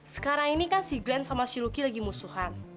sekarang ini kan si glenn sama siluki lagi musuhan